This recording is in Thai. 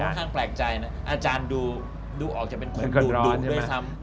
ผมค่อนข้างแปลกใจนะอาจารย์ดูออกจะเป็นคนดูด้วยซ้ำ